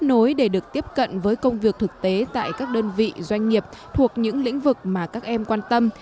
kết nối để được tiếp cận với công việc thực tế tại các đơn vị doanh nghiệp thuộc những lĩnh vực mà các em quan tâm